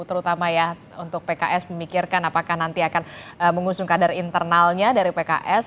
terutama ya untuk pks memikirkan apakah nanti akan mengusung kader internalnya dari pks